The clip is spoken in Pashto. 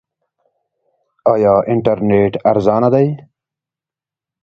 آیا انټرنیټ ارزانه دی؟